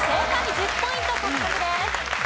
１０ポイント獲得です。